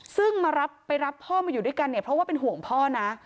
ซึ่งไปรับพ่อมาอยู่ด้วยกันเนี่ยเพราะว่าเป็นห่วงพ่อนะ